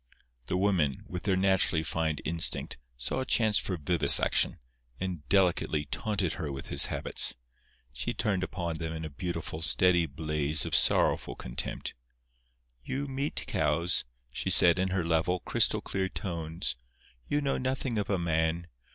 The women, with their naturally fine instinct, saw a chance for vivisection, and delicately taunted her with his habits. She turned upon them in a beautiful, steady blaze of sorrowful contempt. "You meat cows," she said, in her level, crystal clear tones; "you know nothing of a man.